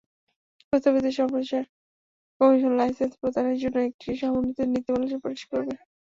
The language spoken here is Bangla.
প্রস্তাবিত সম্প্রচার কমিশন লাইসেন্স প্রদানের জন্য একটি সমন্বিত নীতিমালা সুপারিশ করবে।